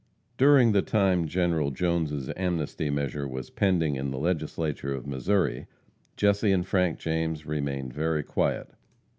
During the time General Jone's amnesty measure was pending in the Legislature of Missouri, Jesse and Frank James remained very quiet.